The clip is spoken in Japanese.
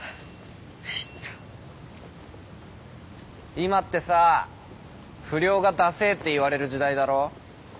今ってさ不良がダセえって言われる時代だろ？